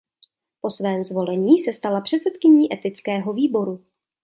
Po svém zvolení se stala předsedkyní etického výboru.